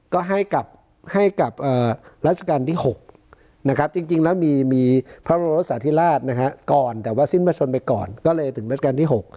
ก็ให้กับราชการที่๖นะครับจริงแล้วมีพระบรมรักษาธิราชนะฮะก่อนแต่ว่าสิ้นประชนไปก่อนก็เลยถึงรัชกาลที่๖